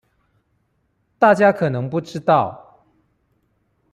大家可能不知道